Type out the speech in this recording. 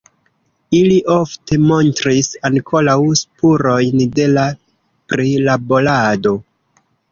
Ili ofte montris ankoraŭ spurojn de la prilaborado.